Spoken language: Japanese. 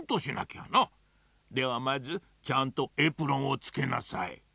ではまずちゃんとエプロンをつけなさい。